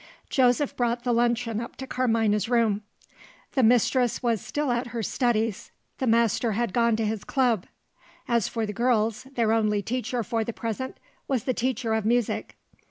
Joseph brought the luncheon up to Carmina's room. The mistress was still at her studies; the master had gone to his club. As for the girls, their only teacher for the present was the teacher of music.